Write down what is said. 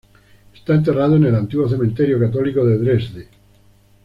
Está enterrado en el Antiguo Cementerio Católico de Dresde.